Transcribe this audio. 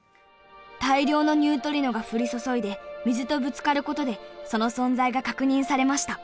大量のニュートリノが降り注いで水とぶつかることでその存在が確認されました。